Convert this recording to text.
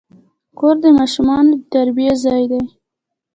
کور د ماشومانو د تربیې ځای دی.